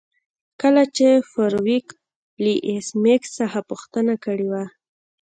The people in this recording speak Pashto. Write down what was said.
کله چې فارویک له ایس میکس څخه پوښتنه کړې وه